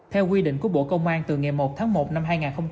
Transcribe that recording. theo quy định của bộ công an từ ngày một tháng một năm hai nghìn một mươi chín